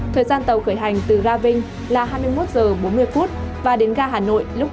thời gian tàu khởi hành từ gà vinh là hai mươi một h bốn mươi và đến gà hà nội lúc năm h